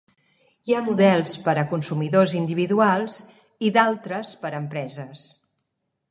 Hi ha models per a consumidors individuals i d'altres per a empreses.